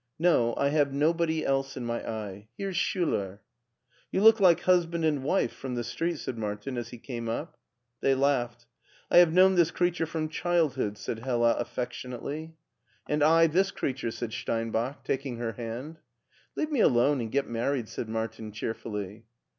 "No, I have nobody else in my eye. Here's Schtiler." " You look like husband and wife from the street," said Martin as he came up. They laughed. " I have known this creature from childhood," said Hella affectionately. it LEIPSIC 127 "And I this creature," said Steinbach, taking her hand. "Leave me alone and get married,'' said Martin cheerfully.